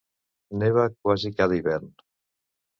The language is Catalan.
Neva quasi cada hivern.